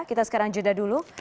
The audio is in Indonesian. kita sekarang jeda dulu